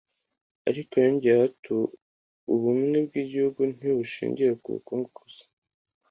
Ariko yongeyeho ati ”Ubumwe bw’ibihugu nti bushingiye ku bukungu gusa